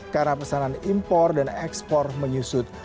karena pesanan impor dan ekspor menyusut